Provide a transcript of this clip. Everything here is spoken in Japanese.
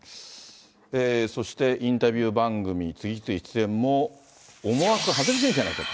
そしてインタビュー番組、次々出演も、思惑外れてるんじゃないかと。